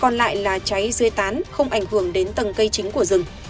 còn lại là cháy dưới tán không ảnh hưởng đến tầng cây chính của rừng